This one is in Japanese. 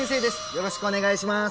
よろしくお願いします